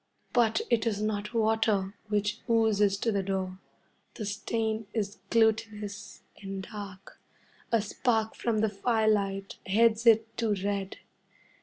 But it is not water which oozes to the door. The stain is glutinous and dark, a spark from the firelight heads it to red.